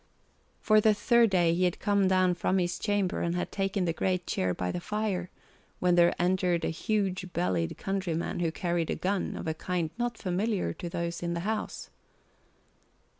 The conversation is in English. For the third day he had come down from his chamber and had taken the great chair by the fire, when there entered a huge bellied countryman who carried a gun of a kind not familiar to those in the house.